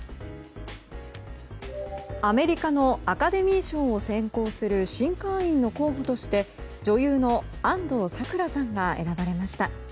アメリカのアカデミー賞を選考する新会員の候補として女優の安藤サクラさんが選ばれました。